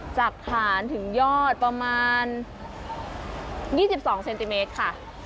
จากฐานถึงยอดประมาณ๒๒เซนติเมตรค่ะ